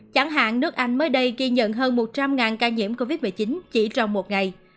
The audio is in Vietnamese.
chẳng hạn nước anh mới đây ghi nhận hơn một trăm linh ca nhiễm covid một mươi chín chỉ trong một ngày